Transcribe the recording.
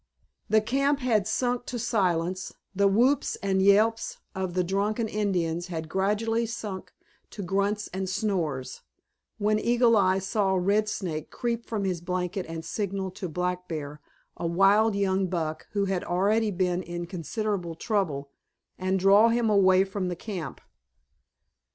The camp had sunk to silence, the whoops and yelps of the drunken Indians had gradually sunk to grunts and snores, when Eagle Eye saw Red Snake creep from his blanket and signal to Black Bear, a wild young buck who had already been in considerable trouble, and draw him away from the camp.